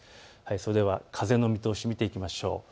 それでは風の見通しを見ていきましょう。